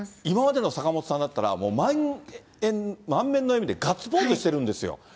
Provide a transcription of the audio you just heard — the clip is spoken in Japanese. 今までの坂本さんだったら、もう満面の笑みで、ガッツポーズしてるんですよ。